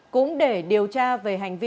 cũng để điều tra về hành vi